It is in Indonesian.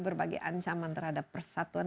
berbagai ancaman terhadap persatuan